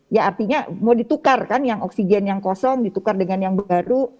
ya artinya mau ditukar kan yang oksigen yang kosong ditukar dengan yang baru